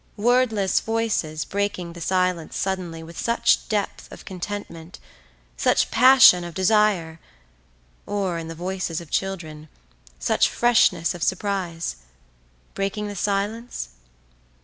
Wordless voices, breaking the silence suddenly with such depth of contentment, such passion of desire, or, in the voices of children, such freshness of surprise; breaking the silence?